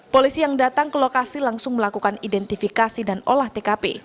polisi yang datang ke lokasi langsung melakukan identifikasi dan olah tkp